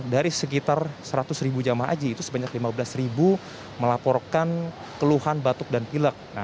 dari sekitar seratus ribu jamaah haji itu sebanyak lima belas ribu melaporkan keluhan batuk dan pilek